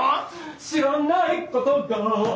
「しらっないことが」